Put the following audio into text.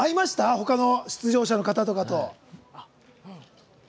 ほかの出場者の方々と。